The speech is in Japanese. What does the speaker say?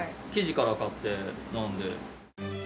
生地から買ってなので。